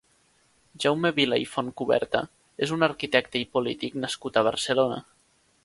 Jaume Vila i Fontcuberta és un arquitecte i polític nascut a Barcelona.